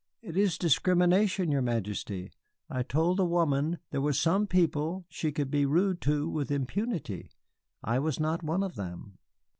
"'It is discrimination, your Majesty. I told the woman there were some people she could be rude to with impunity. I was not one of them.